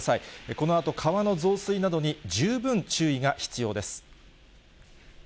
このあと、川の増水などに十分注意が必要です。